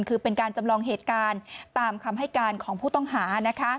คือเป็นการจำลองเหตุการณ์ตามคำให้การของผู้ต้องหา